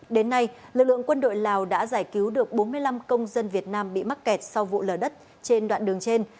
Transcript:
đến nay lực lượng quân đội lào đã giải cứu được bốn mươi năm công dân việt nam bị mắc kẹt sau vụ lở đất trên đoạn đường trên